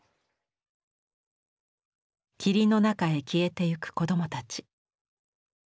霧の中へ消えてゆく子どもたち。